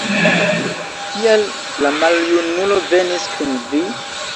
Kial la maljunulo venis kun vi?